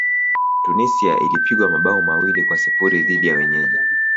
tunisia ilipigwa mabao mawili kwa sifuri dhidi ya wenyeji